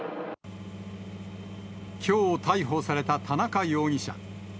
きょう逮捕された田中容疑者。